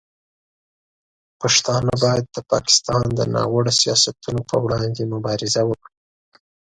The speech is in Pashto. پښتانه باید د پاکستان د ناوړه سیاستونو پر وړاندې مبارزه وکړي.